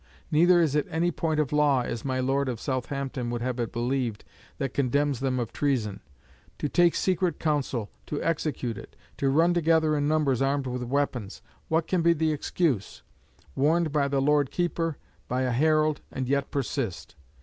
Neither is it any point of law, as my Lord of Southampton would have it believed, that condemns them of treason. To take secret counsel, to execute it, to run together in numbers armed with weapons what can be the excuse? Warned by the Lord Keeper, by a herald, and yet persist!